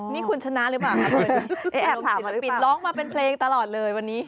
นี่คุณชนะหรือเปล่าคะคุณแอบศิลปินร้องมาเป็นเพลงตลอดเลยวันนี้